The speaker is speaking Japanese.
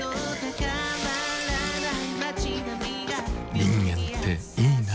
人間っていいナ。